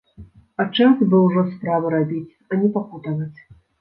А час бы ужо справы рабіць, а не пакутаваць.